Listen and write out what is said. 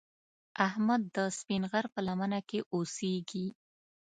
احمد د سپین غر په لمنه کې اوسږي.